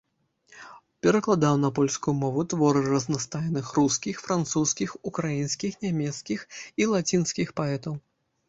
Перакладаў на польскую мову творы разнастайных рускіх, французскіх, украінскіх, нямецкіх і лацінскіх паэтаў.